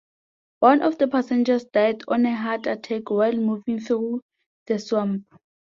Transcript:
One of the passengers died of a heart attack while moving through the swamp.